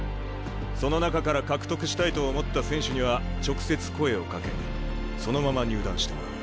その中から獲得したいと思った選手には直接声をかけそのまま入団してもらう。